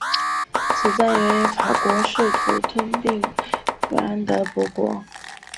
此战源于法国试图吞并弗兰德伯国。